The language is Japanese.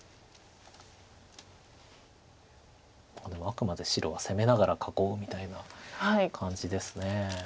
あくまで白は攻めながら囲うみたいな感じです。